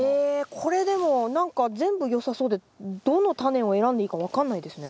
これでも何か全部よさそうでどのタネを選んでいいか分かんないですね。